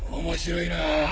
面白いなぁ。